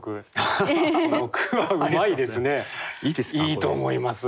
いいと思います。